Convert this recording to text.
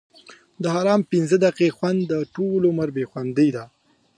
د حرام پنځه دقیقې خوند؛ د ټولو عمر بې خوندي ده.